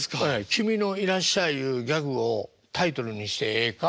「君の『いらっしゃい』いうギャグをタイトルにしてええか？」